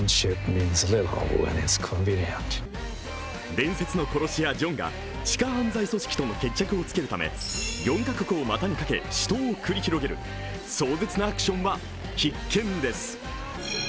伝説の殺し屋・ジョンが地下犯罪組織との決着をつけるため４か国を股にかけ、死闘を繰り広げる壮絶なアクションは必見です。